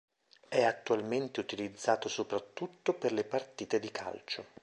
È attualmente utilizzato soprattutto per le partite di calcio.